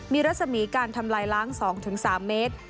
มีรัศมีการทำลายล้าง๒๓เมตร